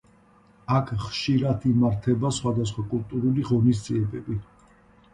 აქ ხშირად იმართება სხვადასხვა კულტურული ღონისძიებები.